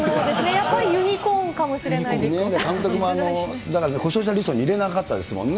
やっぱりユニコーンかもしれユニコーンで、監督もだから故障者リストに入れなかったですもんね。